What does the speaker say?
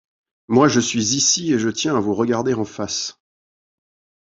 Moi, je suis ici, et je tiens à vous regarder en face.